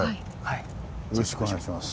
よろしくお願いします。